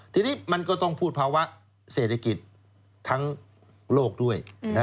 ทีนี้มันก็ต้องพูดภาวะเศรษฐกิจทั้งโลกด้วย